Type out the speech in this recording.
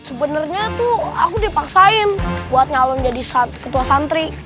sebenarnya tuh aku dipaksain buat nyalon jadi ketua santri